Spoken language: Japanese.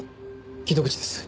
木戸口です。